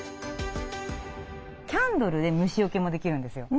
キャンドルで虫よけもできるんですよ。